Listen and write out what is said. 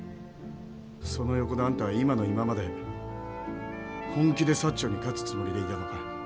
その横であんたは今の今まで本気で長に勝つつもりでいたのか？